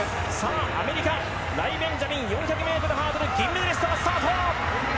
アメリカ、ライ・ベンジャミン４００ｍハードルの銀メダリストがスタート。